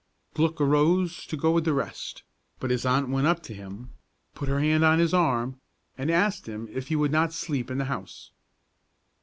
Glück arose to go with the rest; but his aunt went up to him, put her hand on his arm, and asked him if he would not sleep in the house.